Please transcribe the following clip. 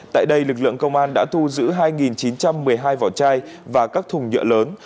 tại đây lực lượng công an đã thu giữ hai chín trăm một mươi hai vỏ chai và các thùng nhựa lớn